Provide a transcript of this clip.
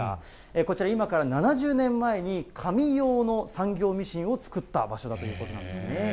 こちら、今から７０年前に、紙用の産業ミシンを作った場所だということなんですね。